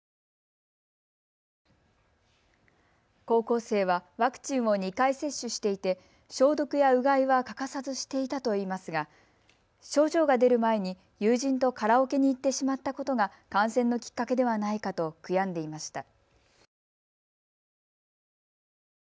高校生はワクチンを２回接種していて消毒やうがいは欠かさずしていたといいますが症状が出る前に友人とカラオケに行ってしまったことが感染のきっかけではないかと悔やんでいました。